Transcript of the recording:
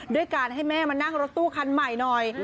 ด้วยการให้แม่มานั่งรถตู้คันใหม่หน่อย